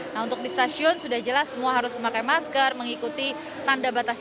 nah untuk di stasiun sudah jelas semua harus memakai masker mengikuti tanda batasnya